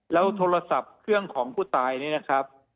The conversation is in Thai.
แล้วโทรศัพท์เครื่องของผู้ตายนี่นะครับ